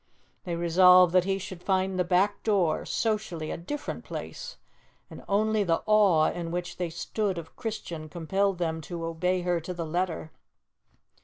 They resolved that he should find the back door, socially, a different place, and only the awe in which they stood of Christian compelled them to obey her to the letter.